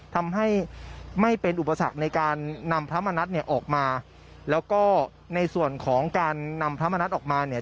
ทำให้ไม่เป็นอุปสรรคในการนำพระมณัฐเนี่ยออกมาแล้วก็ในส่วนของการนำพระมณัฐออกมาเนี่ย